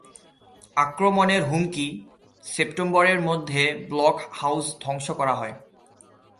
আক্রমণের হুমকি, সেপ্টেম্বরের মধ্যে ব্লকহাউস ধ্বংস করা হয়।